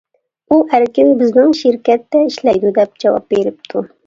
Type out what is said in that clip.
ئۇ «ئەركىن بىزنىڭ شىركەتتە ئىشلەيدۇ» ، دەپ جاۋاب بېرىپتۇ.